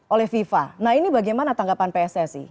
oleh fifa nah ini bagaimana tanggapan pssi